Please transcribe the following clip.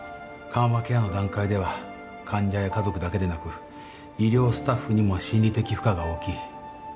緩和ケアの段階では患者や家族だけでなく医療スタッフにも心理的負荷が大きい。